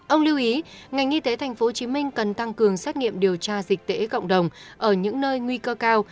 ông lưu ý ngành y tế tp hcm cần tăng cường xét nghiệm điều tra dịch tễ cộng đồng ở những nơi nguy cơ cao